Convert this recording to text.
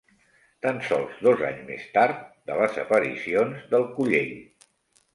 Tan sols dos anys més tard de les aparicions del Collell.